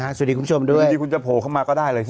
สวัสดีคุณผู้ชมด้วยยินดีคุณจะโผล่เข้ามาก็ได้เลยใช่ไหม